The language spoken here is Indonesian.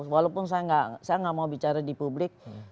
walaupun saya nggak mau bicara di publik